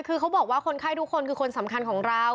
คือเขาบอกว่าคนไข้ทุกคนคือคนสำคัญของเรา